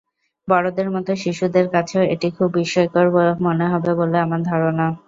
বড়দের মতো শিশুদের কাছেও এটি খুব বিস্ময়কর মনে হবে বলে আমার ধারণা।